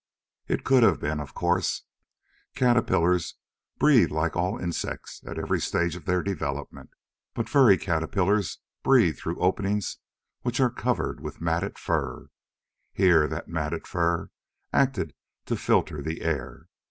It could have been, of course. Caterpillars breathe like all insects at every stage of their development. But furry caterpillars breathe through openings which are covered over with matted fur. Here, that matted fur acted to filter the air.